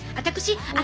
私？